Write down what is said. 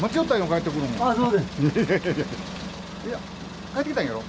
いや帰ってきたんやろ。